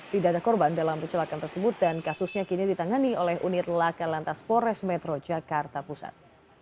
tidak ada korban dalam kecelakaan tersebut dan kasusnya kini ditangani oleh unit laka lantas pores metro jakarta pusat